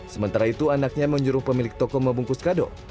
sementara itu anaknya menyuruh pemilik toko membungkus kado